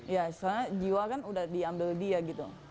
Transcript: ya soalnya jiwa kan udah diambil dia gitu